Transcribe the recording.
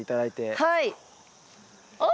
はい！